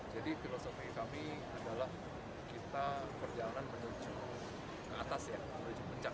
jadi filosofi kami adalah kita berjalan menuju ke atas ya menuju puncak